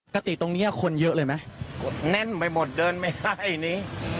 ตรงนี้คนเยอะเลยไหมแน่นไปหมดเดินไม่ได้นี้